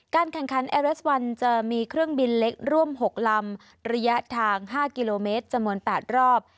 แข่งขันเอเรสวันจะมีเครื่องบินเล็กร่วม๖ลำระยะทาง๕กิโลเมตรจำนวน๘รอบ